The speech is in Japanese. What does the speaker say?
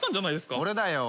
俺だよ俺。